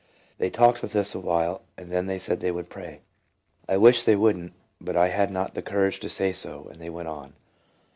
They talked with us a while, and then said they would pray. I wished they would n't, but I had not the courage to say so, and they went on.